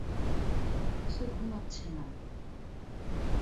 সে ঘুমাচ্ছে না।